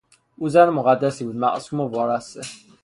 او زن مقدسی بود - معصوم و وارسته.